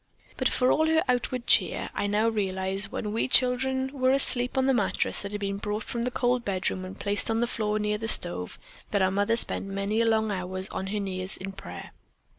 But for all her outward cheer, I now realize, when we children were asleep on the mattress that had been brought from the cold bedroom and placed on the floor near the stove, that our mother spent many long hours on her knees in prayer.